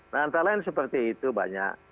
nah antara lain seperti itu banyak